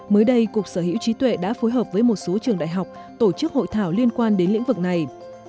mới đây cục sở hữu trí tuệ đã phối hợp với một số trường đại học tổ chức hội thảo liên quan đến lĩnh vực này